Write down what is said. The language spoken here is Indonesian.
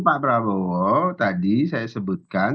pak prabowo tadi saya sebutkan